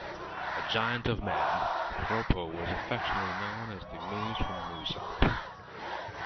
A "giant of a man," Dropo was affectionately known as "the moose from Moosup.